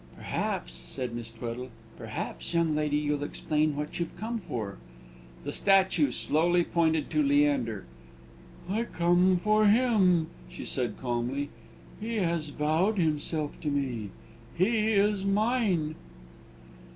"Perhaps," said Miss Tweddle "perhaps, young lady, you'll explain what you've come for?" The statue slowly pointed to Leander. "I come for him," she said calmly. "He has vowed himself to me; he is mine!"